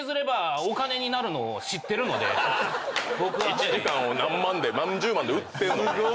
１時間を何万で何十万で売ってんの。